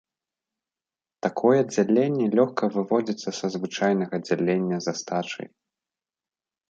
Такое дзяленне лёгка выводзіцца са звычайнага дзялення з астачай.